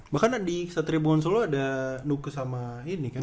bahkan di satribuan solo ada nukes sama ini kan